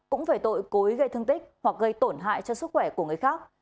cũng phải tội cố ý gây thương tích hoặc gây tổn hại cho sức khỏe của người khác